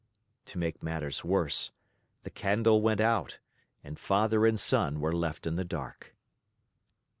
To make matters worse, the candle went out and father and son were left in the dark.